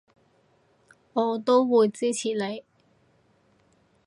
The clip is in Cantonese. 我都會支持你